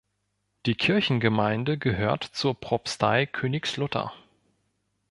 Die Kirchengemeinde gehört zur Propstei Königslutter.